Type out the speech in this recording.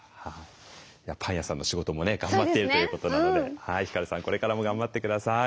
パン屋さんの仕事もね頑張っているということなので皓さんこれからも頑張って下さい。